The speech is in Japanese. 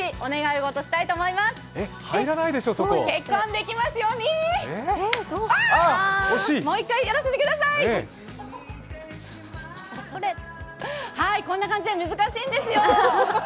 はい、こんな感じで難しいんですよ。